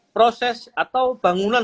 proses atau bangunan